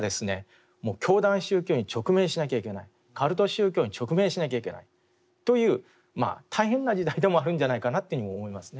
もう教団宗教に直面しなきゃいけないカルト宗教に直面しなきゃいけないというまあ大変な時代でもあるんじゃないかなというふうにも思いますね。